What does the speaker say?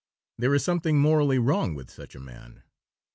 There is something morally wrong with such a man.